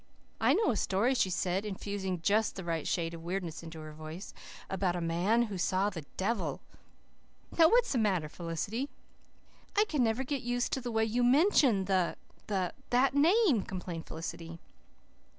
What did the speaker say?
"I know a story," she said, infusing just the right shade of weirdness into her voice, "about a man who saw the devil. Now, what's the matter, Felicity?" "I can never get used to the way you mention the the that name," complained Felicity.